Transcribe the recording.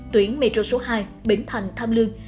tuyến metro số hai bến thành tham lương